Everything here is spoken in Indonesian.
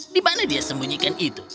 di mana dia sembunyikan itu